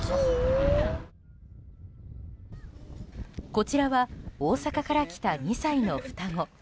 こちらは大阪から来た２歳の双子。